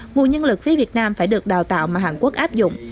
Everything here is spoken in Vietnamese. nguồn nhân lực phía việt nam phải được đào tạo mà hàn quốc áp dụng